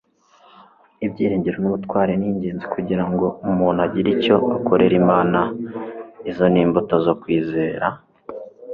Ibyiringiro nubutwari ni ingenzi kugira ngo umuntu agire icyo akorera Imana Izo ni imbuto zo kwizera